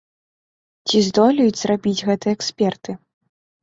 Ці здолеюць зрабіць гэта эксперты?